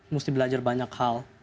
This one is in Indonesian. mesti belajar banyak hal